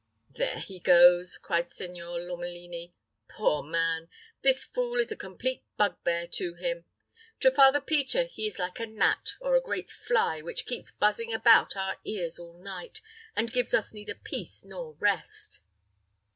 "There he goes," cried Signor Lomelini. "Poor man! this fool is a complete bugbear to him. To Father Peter he is like a gnat, or a great fly, which keeps buzzing about our ears all night, and gives us neither peace nor rest."